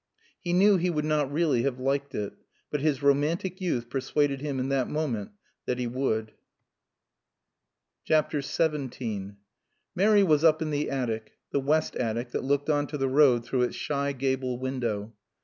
He knew he would not really have liked it. But his romantic youth persuaded him in that moment that he would. XVII Mary was up in the attic, the west attic that looked on to the road through its shy gable window.